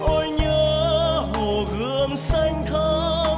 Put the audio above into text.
ôi nhớ hồ gươm xanh thơm